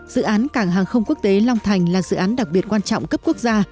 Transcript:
dự án cảng hàng không quốc tế long thành là dự án đặc biệt quan trọng cấp quốc gia